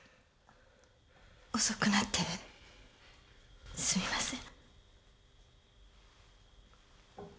遅くなってすみません